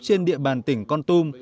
trên địa bàn tỉnh con tum